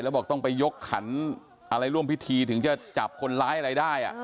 บอกต้องไปยกขันอะไรร่วมพิธีถึงจะจับคนร้ายอะไรได้